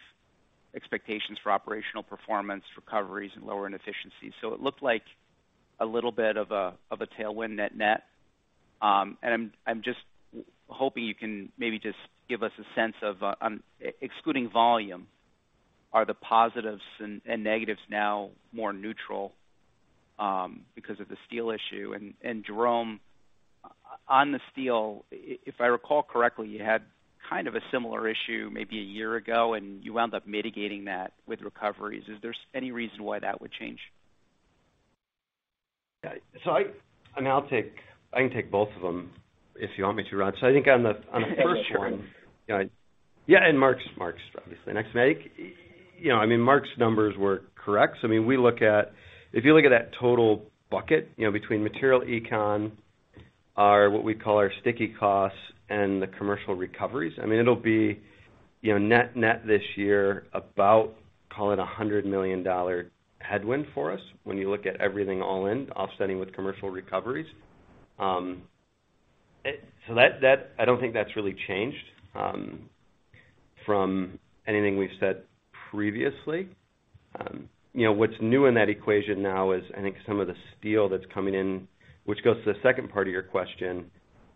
expectations for operational performance recoveries and lower inefficiencies. It looked like a little bit of a tailwind net net. I'm just hoping you can maybe just give us a sense of excluding volume, are the positives and negatives now more neutral because of the steel issue? Jerome, on the steel, if I recall correctly, you had kind of a similar issue maybe a year ago, and you wound up mitigating that with recoveries. Is there any reason why that would change? Yeah. I can take both of them if you want me to, Rod. I think on the first one- Sure. You know, yeah, Mark's obviously next. I think, you know, I mean, Mark's numbers were correct. I mean, we look at. If you look at that total bucket, you know, between material econ, our what we call our sticky costs, and the commercial recoveries, it'll be, you know, net net this year about, call it a $100 million headwind for us when you look at everything all in, offsetting with commercial recoveries. That, I don't think that's really changed from anything we've said previously. You know, what's new in that equation now is I think some of the steel that's coming in, which goes to the second part of your question.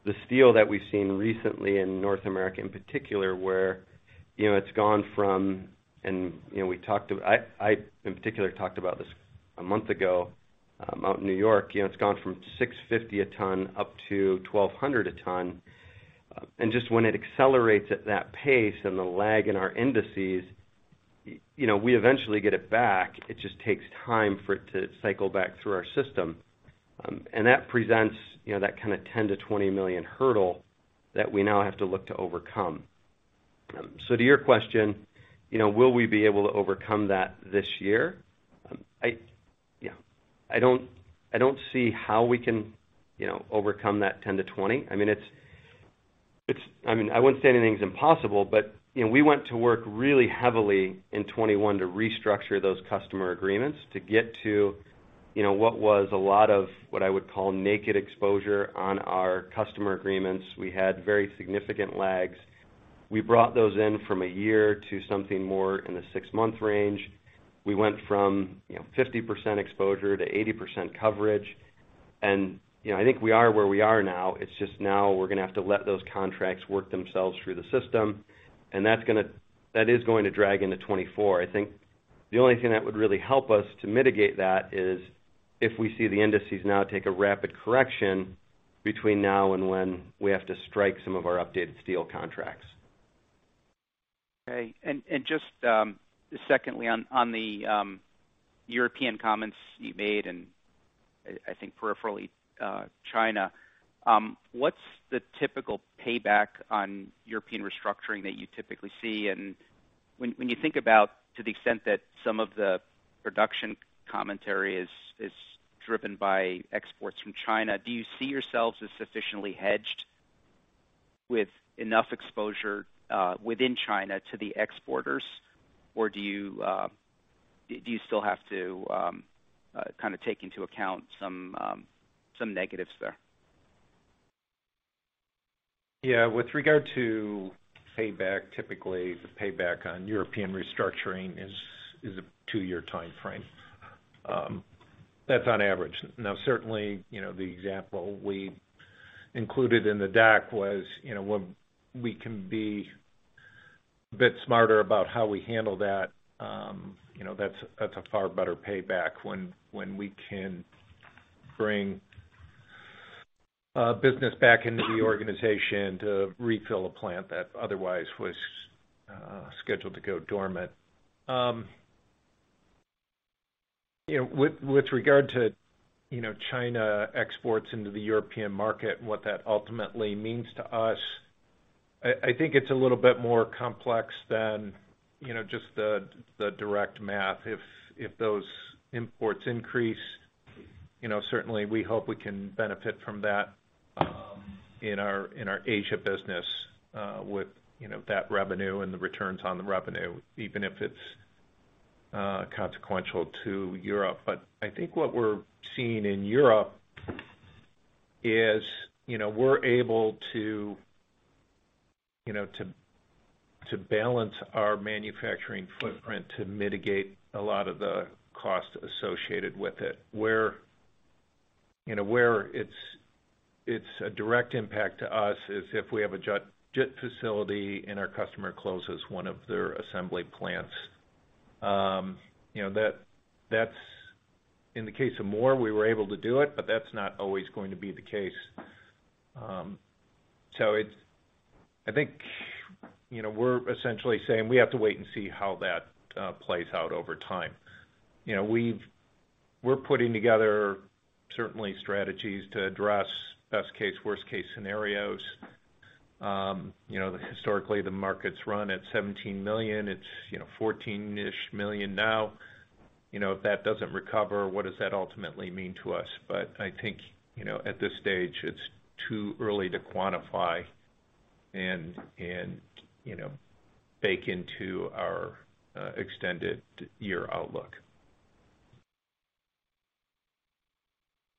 The steel that we've seen recently in North America, in particular, where, you know, it's gone from You know, I, in particular, talked about this a month ago out in New York. You know, it's gone from $650 a ton up to $1,200 a ton. Just when it accelerates at that pace and the lag in our indices, you know, we eventually get it back. It just takes time for it to cycle back through our system. That presents, you know, that kind of $10 million-$20 million hurdle that we now have to look to overcome. To your question, you know, will we be able to overcome that this year? I, yeah. I don't see how we can overcome that $10 million-$20 million. I mean, it's I mean, I wouldn't say anything's impossible, but, you know, we went to work really heavily in 2021 to restructure those customer agreements to get to, you know, what was a lot of what I would call naked exposure on our customer agreements. We had very significant lags. We brought those in from a year to something more in the 6-month range. We went from, you know, 50% exposure to 80% coverage. You know, I think we are where we are now. It's just now we're gonna have to let those contracts work themselves through the system, that is going to drag into 2024. I think the only thing that would really help us to mitigate that is if we see the indices now take a rapid correction between now and when we have to strike some of our updated steel contracts. Just, secondly on the European comments you made, and I think peripherally, China, what's the typical payback on European restructuring that you typically see? When you think about to the extent that some of the production commentary is driven by exports from China, do you see yourselves as sufficiently hedged with enough exposure within China to the exporters? Or do you still have to kind of take into account some negatives there? With regard to payback, typically the payback on European restructuring is a 2-year timeframe. That's on average. Now, certainly, you know, the example we included in the deck was, you know, when we can be a bit smarter about how we handle that, you know, that's a far better payback when we can bring business back into the organization to refill a plant that otherwise was scheduled to go dormant. You know, with regard to, you know, China exports into the European market and what that ultimately means to us, I think it's a little bit more complex than, you know, just the direct math. If those imports increase. Certainly we hope we can benefit from that, in our, in our Asia business, with, you know, that revenue and the returns on the revenue, even if it's consequential to Europe. I think what we're seeing in Europe is, you know, we're able to, you know, to balance our manufacturing footprint to mitigate a lot of the cost associated with it. Where, you know, where it's a direct impact to us is if we have a JIT facility and our customer closes one of their assembly plants. You know, that's in the case of Mór, we were able to do it, but that's not always going to be the case. It's I think, you know, we're essentially saying we have to wait and see how that plays out over time. You know, we're putting together certainly strategies to address best case, worst case scenarios. You know, historically, the market's run at $17 million. It's, you know, $14 million-ish now. You know, if that doesn't recover, what does that ultimately mean to us? I think, you know, at this stage, it's too early to quantify and, you know, bake into our extended year outlook.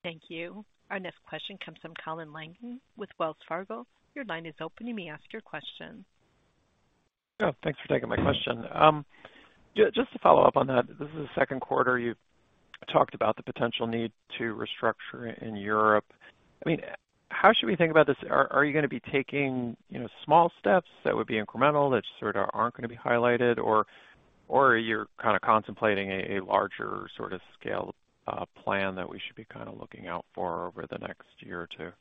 Thank you. Our next question comes from Colin Langan with Wells Fargo. Your line is open. You may ask your question. Yeah, thanks for taking my question. Just to follow up on that, this is the second quarter you've talked about the potential need to restructure in Europe. I mean, how should we think about this? Are you gonna be taking, you know, small steps that would be incremental, that sort of aren't gonna be highlighted? Or you're kind of contemplating a larger sort of scale plan that we should be kind of looking out for over the next year or two?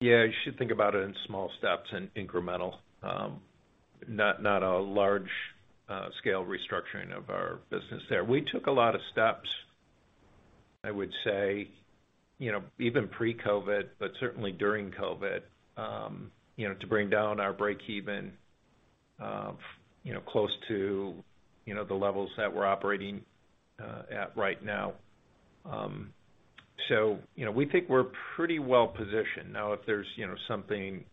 You should think about it in small steps and incremental, not a large scale restructuring of our business there. We took a lot of steps, I would say, you know, even pre-COVID, but certainly during COVID, you know, to bring down our break-even, you know, close to, you know, the levels that we're operating at right now. You know, we think we're pretty well positioned. Now, if there's, you know, something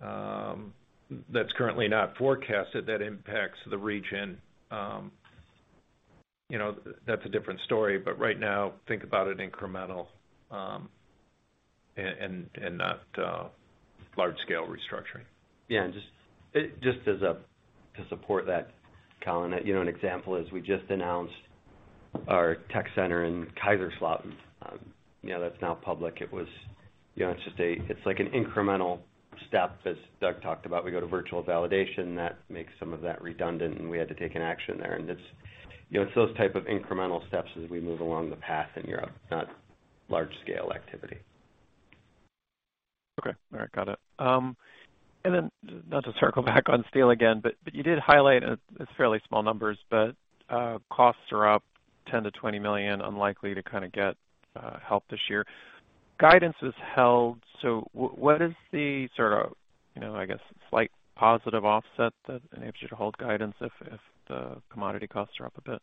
that's currently not forecasted that impacts the region, you know, that's a different story. Right now, think about it incremental, and not large scale restructuring. Yeah, just as a to support that, Colin, you know, an example is we just announced our tech center in Kaiserslautern. You know, that's now public. It was, you know, it's like an incremental step, as Doug talked about. We go to virtual validation, that makes some of that redundant and we had to take an action there. It's, you know, it's those type of incremental steps as we move along the path in Europe, not large scale activity. Okay. All right, got it. Not to circle back on steel again, but you did highlight, and it's fairly small numbers, but costs are up $10 million-$20 million, unlikely to kind of get help this year. Guidance was held, what is the sort of, you know, I guess, slight positive offset that enables you to hold guidance if the commodity costs are up a bit?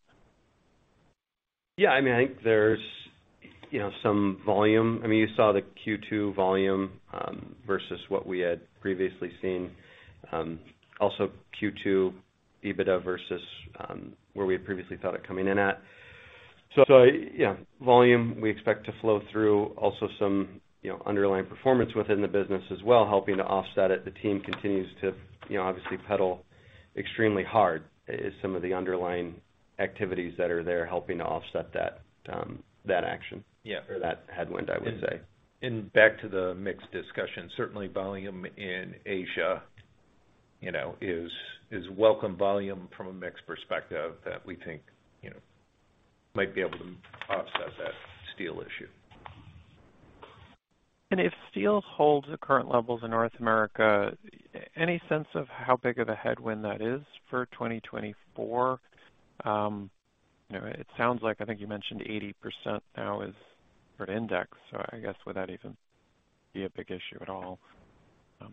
Yeah, I mean, I think there's, you know, some volume. I mean, you saw the Q2 volume versus what we had previously seen. Also Q2 EBITDA versus where we had previously thought it coming in at. Yeah, volume, we expect to flow through also some, you know, underlying performance within the business as well, helping to offset it. The team continues to, you know, obviously pedal extremely hard as some of the underlying activities that are there helping to offset that action. Yeah. That headwind, I would say. Back to the mix discussion, certainly volume in Asia, you know, is welcome volume from a mix perspective that we think, you know, might be able to offset that steel issue. If steel holds the current levels in North America, any sense of how big of a headwind that is for 2024? you know, it sounds like I think you mentioned 80% now is current index. I guess, would that even be a big issue at all?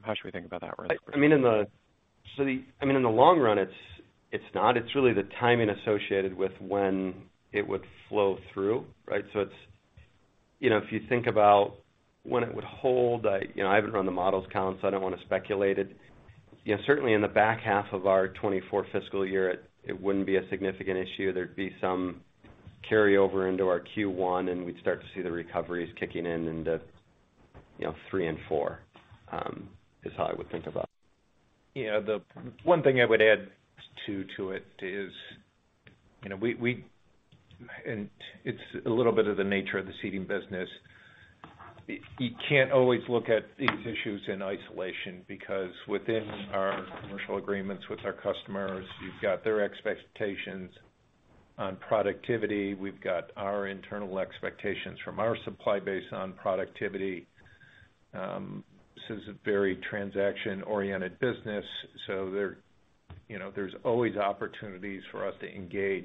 how should we think about that risk? I mean, in the long run, it's not. It's really the timing associated with when it would flow through, right? It's, you know, if you think about when it would hold, I, you know, I haven't run the models, Colin, so I don't wanna speculate it. Certainly in the back half of our 2024 fiscal year, it wouldn't be a significant issue. There'd be some carry over into our Q1, and we'd start to see the recoveries kicking in into, you know, three and four, is how I would think about it. Yeah, the one thing I would add to it is, you know, we... And it's a little bit of the nature of the seating business. You can't always look at these issues in isolation because within our commercial agreements with our customers, you've got their expectations on productivity. We've got our internal expectations from our supply base on productivity. This is a very transaction-oriented business, so there, you know, there's always opportunities for us to engage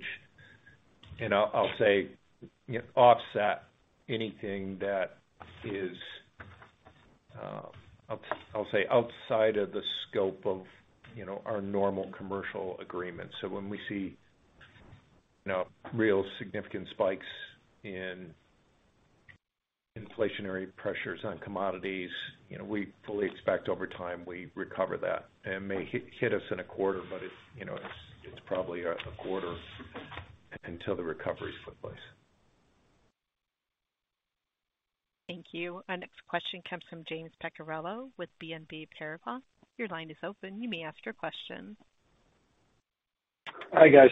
and I'll say, you know, offset anything that is I'll say outside of the scope of, you know, our normal commercial agreements. So when we see, you know, real significant spikes in inflationary pressures on commodities we fully expect over time we recover that. It may hit us in a quarter, but it's, you know, it's probably a quarter until the recoveries took place. Thank you. Our next question comes from James Picariello with BNP Paribas. Your line is open. You may ask your question. Hi, guys.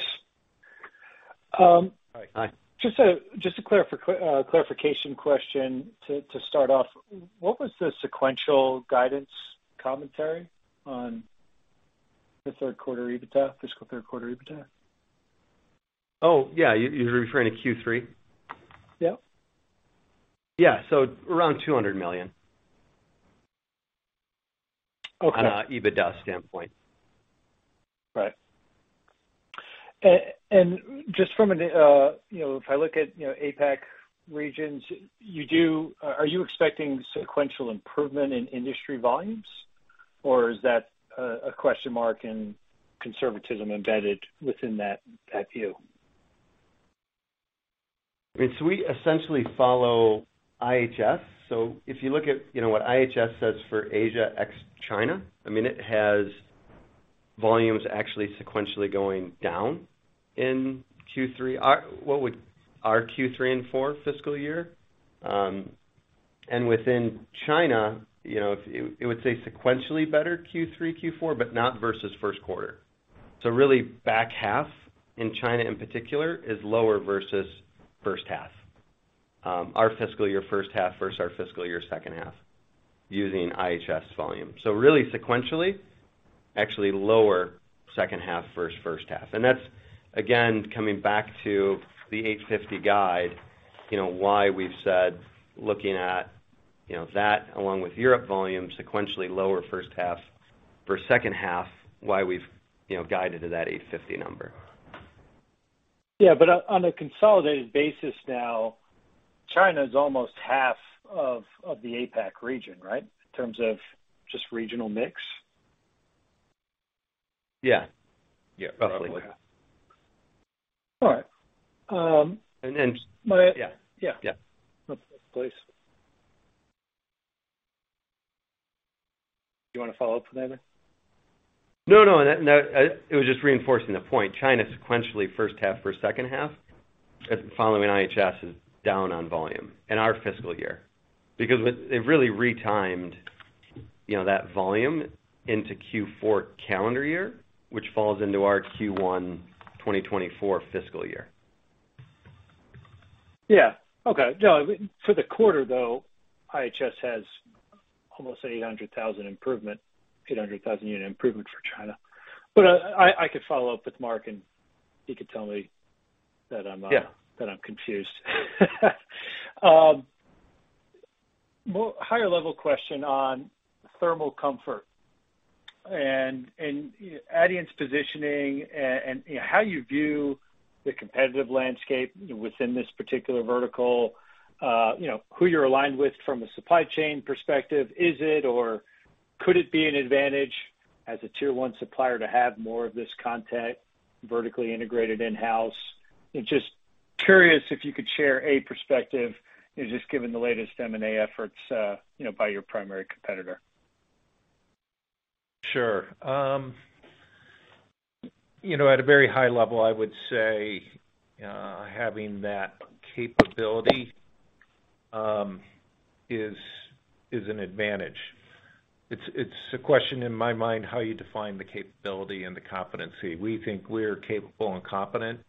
Hi. Just a clarification question to start off. What was the sequential guidance commentary on the third quarter EBITDA, fiscal third quarter EBITDA? Oh, yeah. You're referring to Q3? Yeah. Yeah. Around $200 million. Okay. On a EBITDA standpoint. Right. Just from an, you know if I look at, you know, APAC regions, are you expecting sequential improvement in industry volumes, or is that a question mark and conservatism embedded within that view? I mean, we essentially follow IHS. If you look at, you know, what IHS says for Asia ex-China, I mean, it has volumes actually sequentially going down in Q3. Our Q3 and 4 fiscal year, within China, you know, it would say sequentially better Q3, Q4, but not versus first quarter. Really back half in China in particular is lower versus first half. Our fiscal year first half versus our fiscal year second half using IHS volume. Really sequentially, actually lower second half versus first half. That's again, coming back to the $850 guide, you know, why we've said looking at, you know, that along with Europe volume sequentially lower first half versus second half, why we've, you know, guided to that $850 number. On a consolidated basis now, China is almost half of the APAC region, right? In terms of just regional mix. Yeah. Yeah, probably. All right. Yeah. Yeah. Yeah. That's it, please. Do you wanna follow up with anything? No, no. No, it was just reinforcing the point. China sequentially first half versus second half, following IHS, is down on volume in our fiscal year. Because it really retimed, you know, that volume into Q4 calendar year, which falls into our Q1 2024 fiscal year. Yeah. Okay. No, I mean, for the quarter, though, IHS has almost 800,000 unit improvement for China. I could follow up with Mark, and he could tell me that I'm. Yeah. -that I'm confused. more higher level question on thermal comfort and Adient's positioning and, you know, how you view the competitive landscape within this particular vertical, you know, who you're aligned with from a supply chain perspective. Is it or could it be an advantage as a tier one supplier to have more of this content vertically integrated in-house? Just curious if you could share a perspective just given the latest M&A efforts, you know, by your primary competitor. Sure. You know, at a very high level, I would say, having that capability is an advantage. It's a question in my mind how you define the capability and the competency. We think we're capable and competent,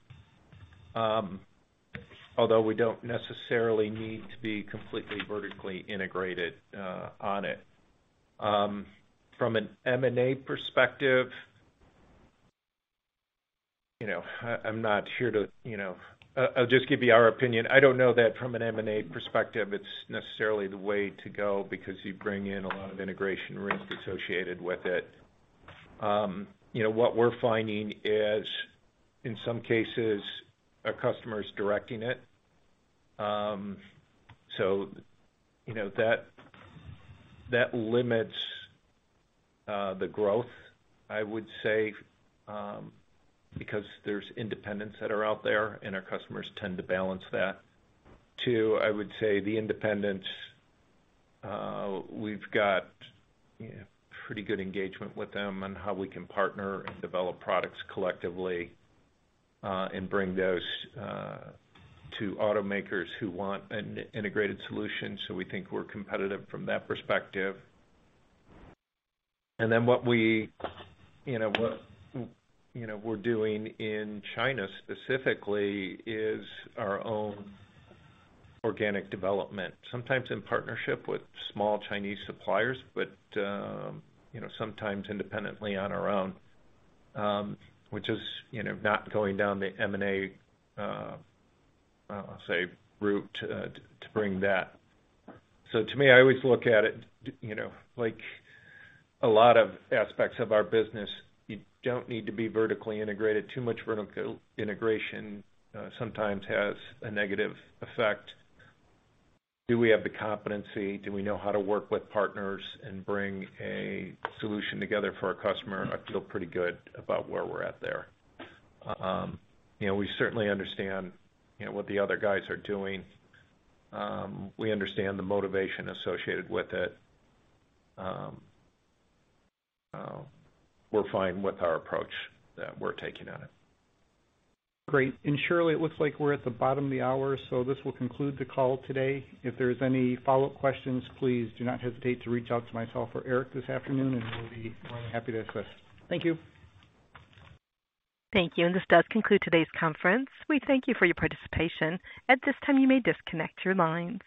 although we don't necessarily need to be completely vertically integrated on it. From an M&A perspective, you know, I'm not here to... You know, I'll just give you our opinion. I don't know that from an M&A perspective it's necessarily the way to go because you bring in a lot of integration risk associated with it. You know, what we're finding is in some cases our customers directing it. That limits the growth, I would say, because there's independents that are out there, and our customers tend to balance that. Two, I would say the independents, we've got, you know, pretty good engagement with them on how we can partner and develop products collectively, and bring those to automakers who want an integrated solution. We think we're competitive from that perspective. What we, you know, what, you know, we're doing in China specifically is our own organic development, sometimes in partnership with small Chinese suppliers but, you know, sometimes independently on our own, which is, you know, not going down the M&A, say route, to bring that. To me, I always look at it, you know, like a lot of aspects of our business, you don't need to be vertically integrated. Too much vertical integration sometimes has a negative effect. Do we have the competency? Do we know how to work with partners and bring a solution together for our customer? I feel pretty good about where we're at there. We certainly understand, you know, what the other guys are doing. we understand the motivation associated with it. we're fine with our approach that we're taking on it. Great. Shirley, it looks like we're at the bottom of the hour, so this will conclude the call today. If there's any follow-up questions, please do not hesitate to reach out to myself or Eric this afternoon, and we'll be more than happy to assist. Thank you. Thank you. This does conclude today's conference. We thank you for your participation. At this time, you may disconnect your lines.